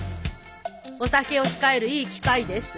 お酒を控えるいい機会です。